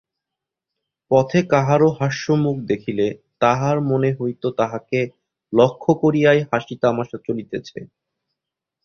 পথে কাহারো হাস্যমুখ দেখিলে তাহার মনে হইত তাহাকে লক্ষ্য করিয়াই হাসি তামাসা চলিতেছে।